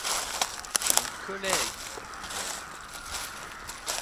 Mon collègue, dit l'homme.